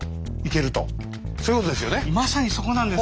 まさにそこなんです。